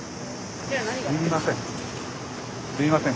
すみません。